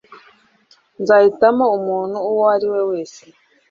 nzahitamo umuntu uwo ari we wese